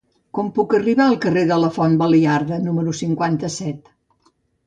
Com puc arribar al carrer de la Font Baliarda número cinquanta-set?